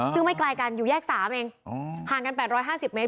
ซึ่งไม่ไกลกันอยู่แยก๓เองห่างกัน๘๕๐เมตร